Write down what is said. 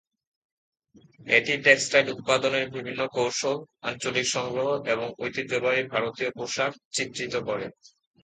এটি " টেক্সটাইল উত্পাদনের বিভিন্ন কৌশল, আঞ্চলিক সংগ্রহ এবং ঐতিহ্যবাহী ভারতীয় পোশাক" চিত্রিত করে।